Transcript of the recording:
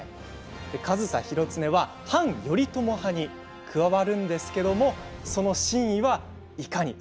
上総広常は反頼朝派に加わるんですけれどその真意はいかに。